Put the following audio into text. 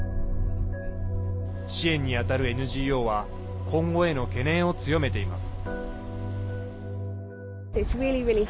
支援に当たるＮＧＯは今後への懸念を強めています。